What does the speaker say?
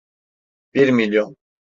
Bir milyon.